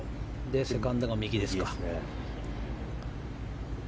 セカンドが右ですか。